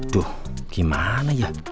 duh gimana ya